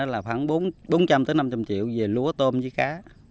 là khoảng bốn trăm linh năm trăm linh triệu về lúa tôm với cá